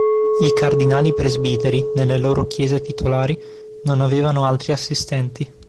I cardinali presbiteri, nelle loro chiese titolari, non avevano altri assistenti.